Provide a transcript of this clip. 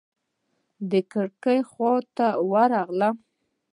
د کړکۍ خواته ورغلم.